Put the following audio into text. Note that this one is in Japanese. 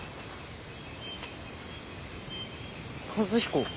和彦。